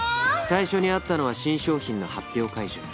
最初に会ったのは新商品の発表会場